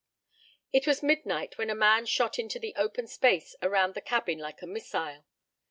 It was midnight when a man shot into the open space around the cabin like a missile.